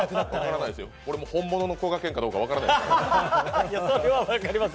これも本物のこがけんかどうか分からないですよ。